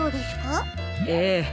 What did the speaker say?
ええ。